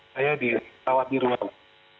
saya di perawat di ruang